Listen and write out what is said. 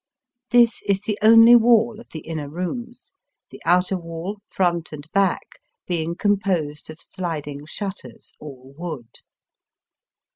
This is the only wall of the inner rooms, the outer wall, front and back, being composed of sliding shutters aU wood.